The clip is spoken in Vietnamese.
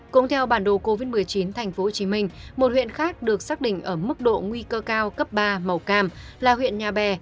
cũng theo bản đồ covid một mươi chín tp hcm một huyện khác được xác định ở mức độ nguy cơ cao cấp ba màu cam là huyện nhà bè